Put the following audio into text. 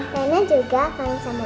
rena juga pangan sama mama